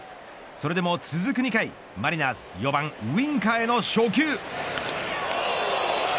それでも続く２回、マリナーズ４番ウインカーへの初球